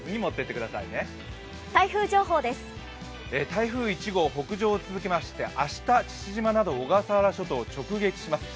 台風１号は北上を続けまして明日、父島など小笠原諸島を直撃します。